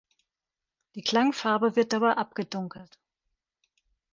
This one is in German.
Die Klangfarbe wird dabei abgedunkelt.